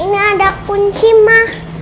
ini ada kunci ma